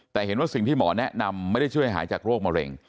แต่เห็นว่าสิ่งที่หมอแนะนำไม่ได้ช่วยหายจากโรคมะเร็ง